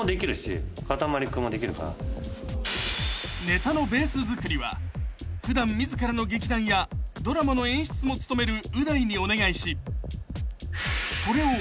［ネタのベース作りは普段自らの劇団やドラマの演出も務めるう大にお願いしそれを］